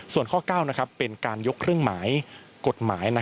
ส่วนข้อ๙เป็นการยกเครื่องหมายกฎหมาย